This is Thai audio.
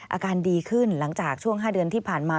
อาการดีขึ้นหลังจากช่วง๕เดือนที่ผ่านมา